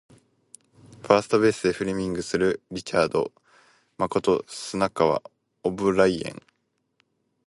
ファーストベースでフレーミングするリチャード誠砂川オブライエン